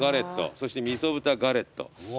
そしてみそ豚ガレット。